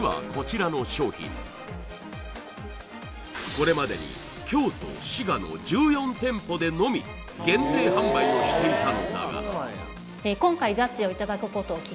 これまでに京都滋賀の１４店舗でのみ限定販売をしていたのだがします